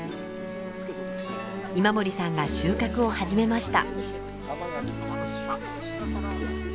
今森さんが収穫を始めました。